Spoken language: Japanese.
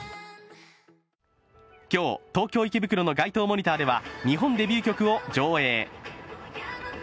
今日、東京・池袋の街頭モニターでは日本デビュー曲を上映。